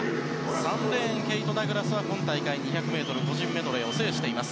３レーン、ケイト・ダグラスは今大会、２００ｍ個人メドレーを制しています。